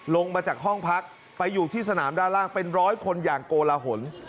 ลงมาจากห้องพักไปอยู่ที่สนามด้านล่างเป็นร้อยคนอย่างโกลหน